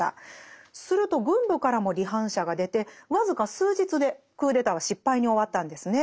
すると軍部からも離反者が出て僅か数日でクーデターは失敗に終わったんですね。